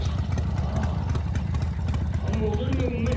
あああの踊りのうめえ。